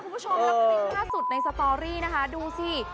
แล้วก็ที่หน้าสุดในสตอรี่นะคะดูสิ